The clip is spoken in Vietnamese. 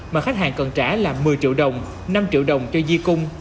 mà khách hàng cần trả là một mươi triệu đồng năm triệu đồng cho di cung